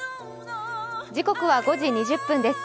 時刻は５時２０分です。